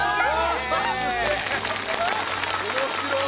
面白い！